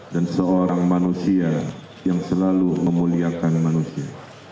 dan seorang manusia yang selalu memuliakan manusia